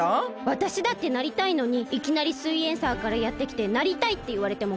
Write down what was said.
わたしだってなりたいのにいきなり「すイエんサー」からやってきて「なりたい」っていわれてもこまります！